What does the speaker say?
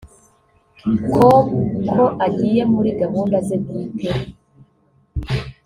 com ko agiye muri gahunda ze bwite